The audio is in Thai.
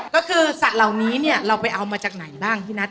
ก็คือสัตว์เหล่านี้เนี่ยเราไปเอามาจากไหนบ้างพี่นัท